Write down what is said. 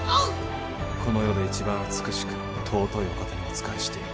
この世で一番美しく尊いお方にお仕えしている。